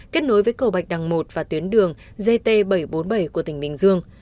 kết nối với cầu bạch đằng một và tuyến đường gt bảy trăm bốn mươi bảy của tỉnh bình dương